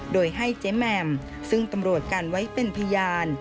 โดยให้เจ๊แหม่มซึ่งตำรวจกันไว้เป็นพยาน